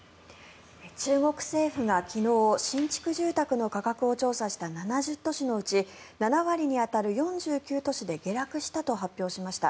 中国政府が昨日新築住宅の価格を調査した７０都市のうち７割に当たる４９都市で下落したと発表しました。